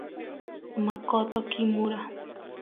Makoto Kimura